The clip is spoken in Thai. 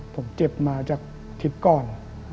ผมเจ็บมาจากทริปก่อน